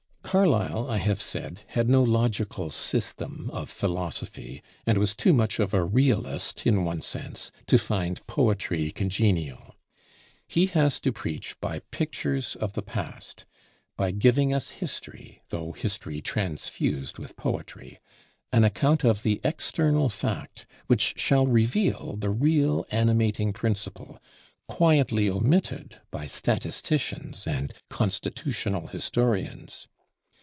Carlyle, I have said, had no logical system of philosophy, and was too much of a "realist" (in one sense) to find poetry congenial. He has to preach by pictures of the past; by giving us history, though history transfused with poetry; an account of the external fact which shall reveal the real animating principle, quietly omitted by statisticians and constitutional historians.